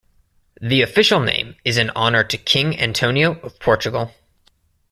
The official name is in honor to King Antonio of Portugal.